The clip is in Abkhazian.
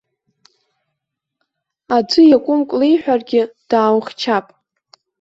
Аӡәы иакәымк леиҳәаргьы, дааухьчап.